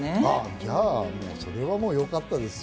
じゃあ、それはもうよかったですよ。